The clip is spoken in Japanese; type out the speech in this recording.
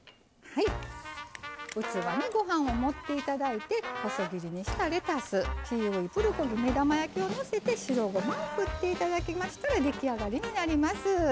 器にご飯を盛っていただいて細切りにしたレタスキウイのプルコギ目玉焼きをのせて白ごまを振っていただきましたら出来上がりです。